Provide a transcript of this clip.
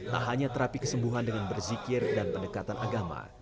tak hanya terapi kesembuhan dengan berzikir dan pendekatan agama